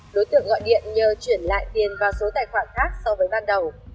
đối tượng gọi điện nhờ chuyển lại tiền vào số tài khoản khác so với ban đầu